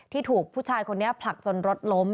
ถูกผู้ชายคนนี้ผลักจนรถล้ม